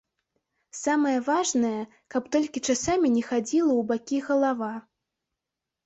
Самае важнае, каб толькі часамі не хадзіла ў бакі галава.